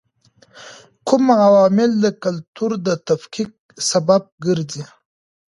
کوم عوامل د کلتور د تفکیک سبب ګرځي؟